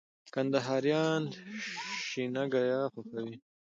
کندهاريان شينګياه خوښوي